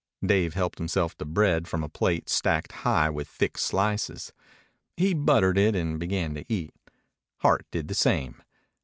Dave helped himself to bread from a plate stacked high with thick slices. He buttered it and began to eat. Hart did the same.